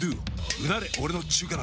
うなれ俺の中華鍋！